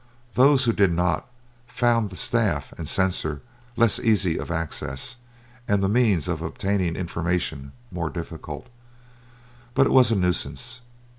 Those who did not, found the staff and censor less easy of access, and the means of obtaining information more difficult. But it was a nuisance.